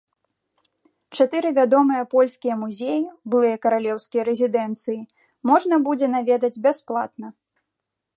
Чатыры вядомыя польскія музеі, былыя каралеўскія рэзідэнцыі, можна будзе наведаць бясплатна.